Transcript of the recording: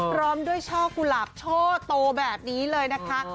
พร้อมด้วยช่อกุหลาบช่อโตแบบนี้เลยนะคะ